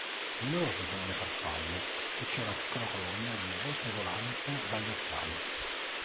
Numerose sono le farfalle e c'è una piccola colonia di volpe volante dagli occhiali.